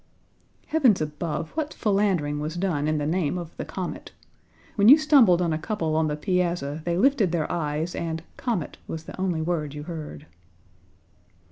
Heavens above, what philandering was done in the name of the comet! When you stumbled on a couple on the piazza they lifted their eyes, and "comet" was the only word you heard.